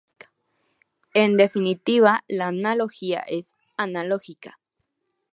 En definitiva: la analogía es analógica.